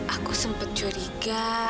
aku sempat curiga